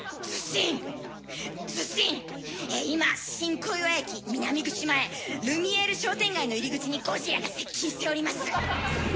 今新小岩駅南口前ルミエール商店街の入り口にゴジラが接近しております」。